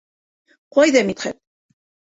Ҡайҙа Мидхәт?